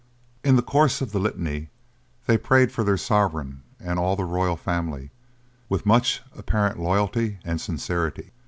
In the course of the Litany, they prayed for their sovereign and all the royal family, with much apparent loyalty and sincerity.